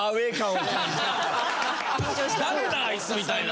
「誰だあいつ」みたいな。